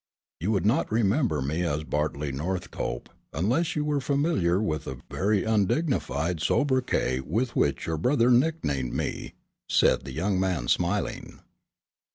"You would not remember me as Bartley Northcope, unless you were familiar with the very undignified sobriquet with which your brother nicknamed me," said the young man smiling.